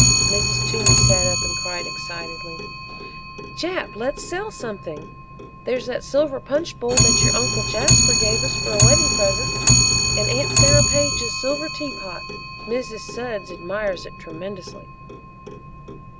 Mrs. Toomey sat up and cried excitedly: "Jap, let's sell something! There's that silver punch bowl that your Uncle Jasper gave us for a wedding present, and Aunt Sarah Page's silver teapot Mrs. Sudds admires it tremendously."